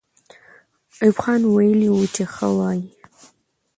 ایوب خان ویلي وو چې ښه وایي.